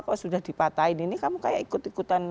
kalau sudah dipatahin ini kamu kayak ikut ikutan